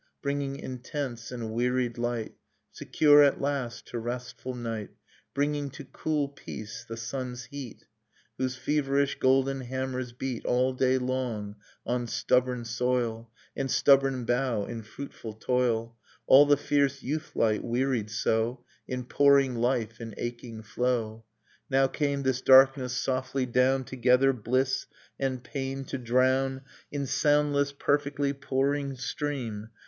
Bringing intense and wearied light Secure at last to restful night; Bringing to cool peace the sun's heat (124] Dust in Starlight Whose feverish golden hammers beat All day long, on stubborn soil And stubborn bough, in fruitful toil, — All the fierce youthlight wearied so In pouring life, in aching flow! — Now came this darkness softly down Together bliss and pain to drown In soundless perfectly pouring stream.